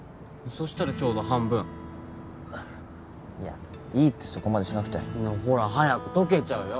そしたらちょうど半分いやいいってそこまでしなくてほら早く溶けちゃうよ